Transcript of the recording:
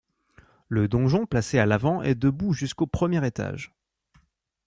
Le donjon, placé à l’avant est debout jusqu’au premier étage.